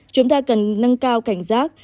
chúng ta cần nâng cao cảnh giác